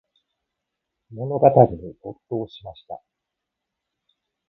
物語に没頭しました。